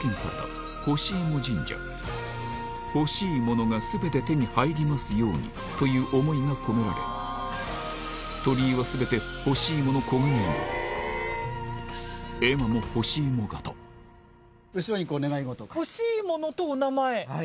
「ほしいものが全て手に入りますように」という思いが込められ鳥居は全て干しイモの「ほしいもの」と「おなまえ」。